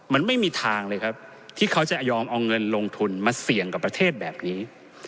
มันไม่มีทางเลยครับที่เขาจะยอมเอาเงินลงทุนมาเสี่ยงกับประเทศแบบนี้